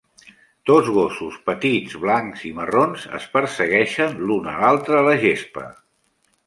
Dos gossos petits blancs i marrons es persegueixen l'un a l'altre a la gespa.